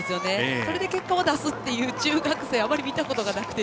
それで結果を出す中学生はあまり見たことがなくて。